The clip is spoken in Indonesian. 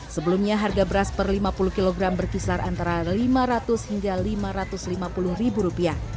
sebelumnya harga beras per lima puluh kg berkisar antara rp lima ratus hingga rp lima ratus lima puluh